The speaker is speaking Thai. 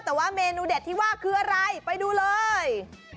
แต่ว่าเมนูเด็ดที่ว่าคืออะไรไปดูเลย